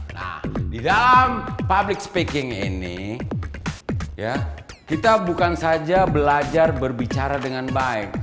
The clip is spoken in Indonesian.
nah di dalam public speaking ini kita bukan saja belajar berbicara dengan baik